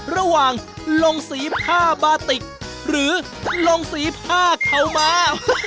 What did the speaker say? ระหว่างลงสีผ้าบาติกหรือลงสีผ้าเขามา